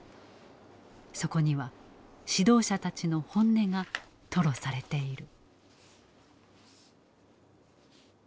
そこには指導者たちの本音が吐露されている。